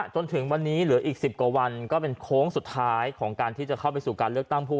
จนถึงวันนี้เหลืออีก๑๐กว่าวันก็เป็นโค้งสุดท้ายของการที่จะเข้าไปสู่การเลือกตั้งผู้